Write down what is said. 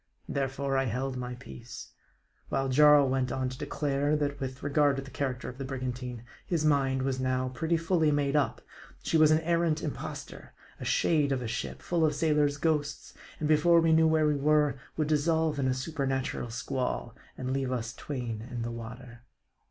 Therefore I held my peace ; while Jarl Went on to declare, that with regard to the character of the brigantine, his mind was now pretty fully made up ; she was an arrant impostor, a shade of a ship, full of sailors' ghosts, and before we knew where we were, would dissolve in a supernatural squall, and leave us twain in the water.